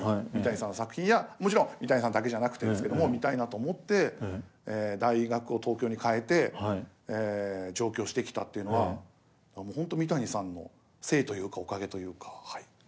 三谷さんの作品やもちろん三谷さんだけじゃなくてですけども見たいなと思って大学を東京に変えて上京してきたっていうのは本当三谷さんのせいというかおかげというかはい。